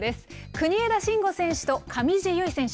国枝慎吾選手と上地結衣選手。